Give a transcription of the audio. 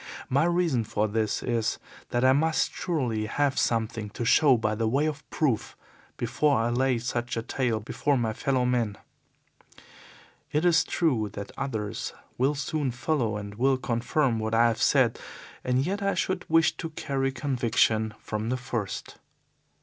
My reason for this is that I must surely have something to show by way of proof before I lay such a tale before my fellow men. It is true that others will soon follow and will confirm what I have said, and yet I should wish to carry conviction from the first.